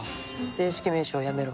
正式名称やめろ。